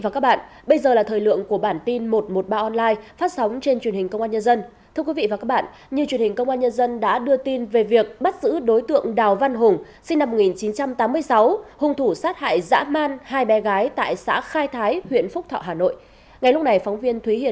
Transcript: các bạn hãy đăng ký kênh để ủng hộ kênh của chúng mình nhé